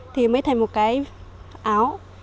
thì mới thành một cái áo